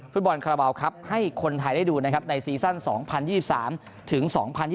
ฟุตบอลคาราบาลครับให้คนไทยได้ดูนะครับในซีซั่น๒๐๒๓ถึง๒๐๒๐